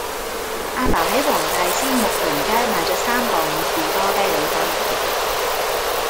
亞爸喺黃大仙睦鄰街買左三磅士多啤梨返屋企